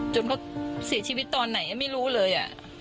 จนเขาเสียชีวิตตอนไหนไม่รู้เลย